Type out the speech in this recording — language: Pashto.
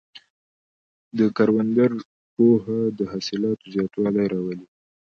د کروندګر پوهه د حاصلاتو زیاتوالی راولي.